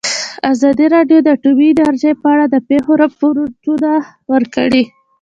ازادي راډیو د اټومي انرژي په اړه د پېښو رپوټونه ورکړي.